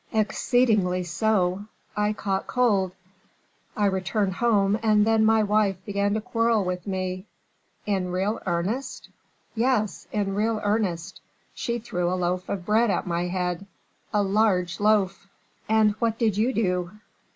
"Exceedingly so; I caught cold; I returned home and then my wife began to quarrel with me." "In real earnest?" "Yes, in real earnest. She threw a loaf of bread at my head, a large loaf." "And what did you do?"